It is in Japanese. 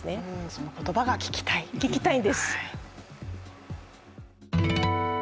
その言葉が聞きたいんです。